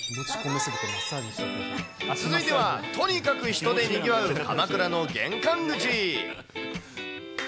続いては、とにかく人でにぎわう鎌倉の玄関口。